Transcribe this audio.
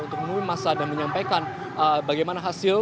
untuk menemui masa dan menyampaikan bagaimana hasil